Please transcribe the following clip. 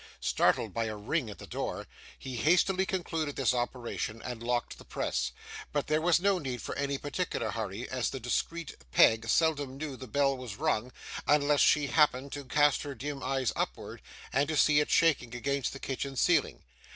Startled by a ring at the door, he hastily concluded this operation, and locked the press; but there was no need for any particular hurry, as the discreet Peg seldom knew the bell was rung unless she happened to cast her dim eyes upwards, and to see it shaking against the kitchen ceiling.